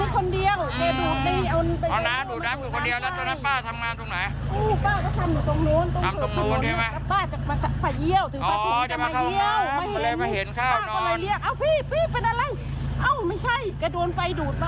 ก่อไดโว้อยู่ป่ะก่อไดโว้อยู่ใช่ไหม